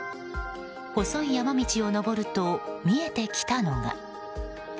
細い山道を登ると見えてきたのが。